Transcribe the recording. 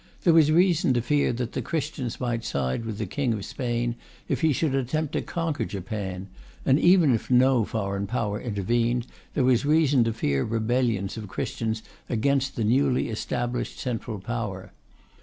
There was reason to fear that the Christians might side with the King of Spain if he should attempt to conquer Japan; and even if no foreign power intervened, there was reason to fear rebellions of Christians against the newly established central power.